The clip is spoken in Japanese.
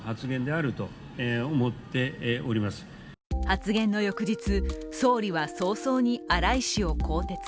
発言の翌日、総理は早々に荒井氏を更迭。